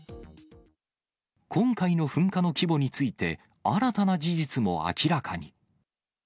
今回の噴火の規模について、新たな事実も明らかに。